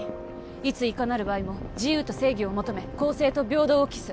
いついかなる場合も「自由と正義」を求め「公正と平等」を期す